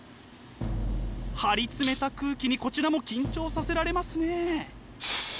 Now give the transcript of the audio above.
張り詰めた空気にこちらも緊張させられますね！